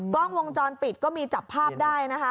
กล้องวงจรปิดก็มีจับภาพได้นะคะ